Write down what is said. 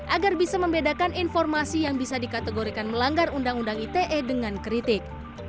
agar bisa membedakan informasi yang bisa dikategorikan melanggar undang undang ite dengan kritik